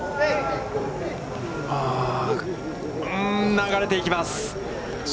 流れていきます。